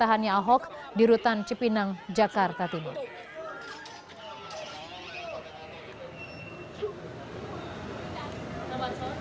terkait perjalanannya ahok di rutan cipinang jakarta tenggara